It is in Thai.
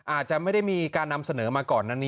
อาจจะไม่ได้มีการนำเสนอมาก่อน